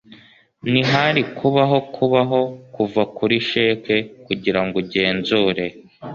ntihari kubaho kubaho kuva kuri cheque kugirango ugenzure